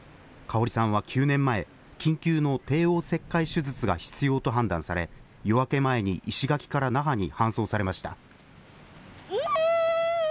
薫さんは９年前、緊急の帝王切開手術が必要と判断され、夜明け前に石垣から那覇に搬送されました。